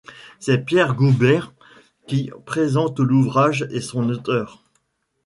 C'est Pierre Goubert qui présente l'ouvrage et son auteur.